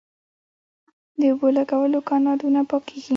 د اوبو لګولو کانالونه پاکیږي